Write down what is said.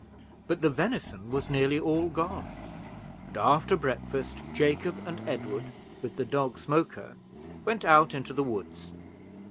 But the venison was nearly all gone; and after breakfast Jacob and Edward, with the dog Smoker, went out into the woods.